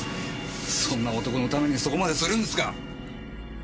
そんな男のためにそこまでするんですか！